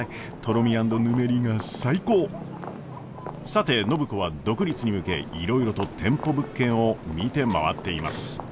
さて暢子は独立に向けいろいろと店舗物件を見て回っています。